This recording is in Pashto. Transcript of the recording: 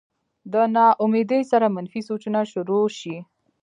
د نا امېدۍ سره منفي سوچونه شورو شي